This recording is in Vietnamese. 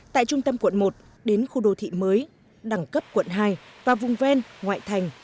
tại trung tâm quận một đến khu đô thị mới đẳng cấp quận hai và vùng ven ngoại thành